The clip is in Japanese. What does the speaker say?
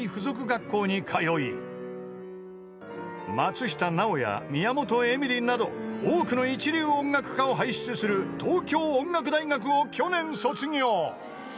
学校に通い松下奈緒や宮本笑里など多くの一流音楽家を輩出する東京音楽大学を去年卒業］